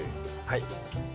はい。